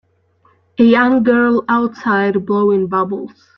a young girl outside blowing bubbles.